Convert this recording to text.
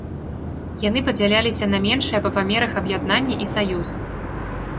Яны падзяляліся на меншыя па памерах аб'яднанні і саюзы.